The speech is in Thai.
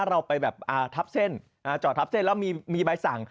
เราไปแบบทับเส้นจอดทับเส้นแล้วมีใบสั่ง